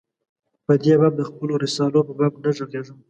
په دې باب د خپلو رسالو په باب نه ږغېږم.